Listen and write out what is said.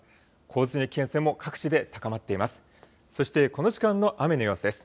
洪水の危険性も各地で高まっています。